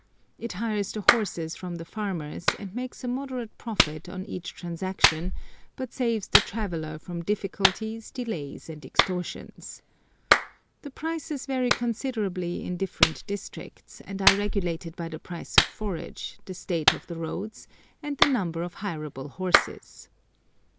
It hires the horses from the farmers, and makes a moderate profit on each transaction, but saves the traveller from difficulties, delays, and extortions. The prices vary considerably in different districts, and are regulated by the price of forage, the state of the roads, and the number of hireable horses.